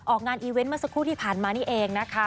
งานอีเวนต์เมื่อสักครู่ที่ผ่านมานี่เองนะคะ